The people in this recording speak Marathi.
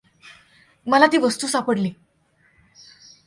मला ती वस्तू सापडली.